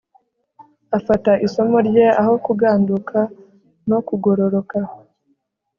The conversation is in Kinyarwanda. Afata isomo rye aho kuganduka no kugororoka